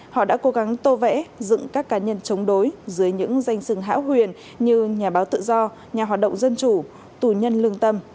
họ đã cố gắng tô vẽ dựng các cá nhân chống đối dưới những danh sừng hão huyền như nhà báo tự do nhà hoạt động dân chủ tù nhân lương tâm